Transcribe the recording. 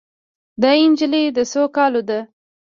دا نجلۍ د څو کالو ده